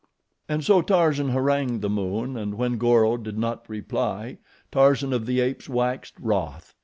And so Tarzan harangued the moon, and when Goro did not reply, Tarzan of the Apes waxed wroth.